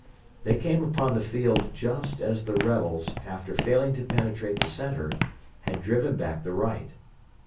They came upon the field just as the rebels, after failing to penetrate the centre, had driven back the right.